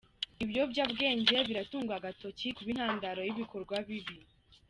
Ibiyobyabwenge biratungwa agatoki kuba intandaro y’ibikorwa bibi